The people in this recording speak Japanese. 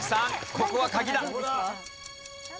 ここは鍵だ。